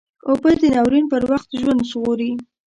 اوبه د ناورین پر وخت ژوند ژغوري